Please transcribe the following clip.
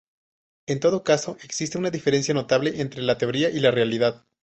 En todo caso, existe una diferencia notable entre la teoría y la realidad.